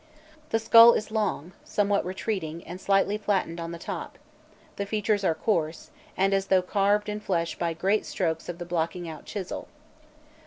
The skull is long, somewhat retreating, and slightly flattened on the top; the features are coarse, and as though carved in flesh by great strokes of the blocking out chisel.